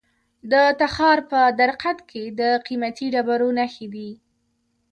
د تخار په درقد کې د قیمتي ډبرو نښې دي.